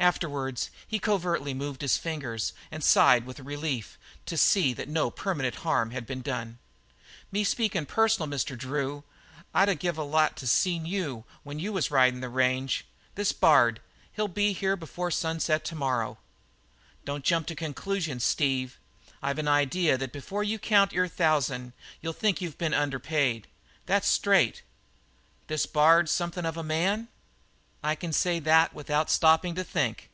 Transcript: Afterward he covertly moved his fingers and sighed with relief to see that no permanent harm had been done. "Me speakin' personal, Mr. Drew, I'd of give a lot to seen you when you was ridin' the range. This Bard he'll be here before sunset to morrow." "Don't jump to conclusions, Steve. I've an idea that before you count your thousand you'll think that you've been underpaid. That's straight." "This Bard is something of a man?" "I can say that without stopping to think."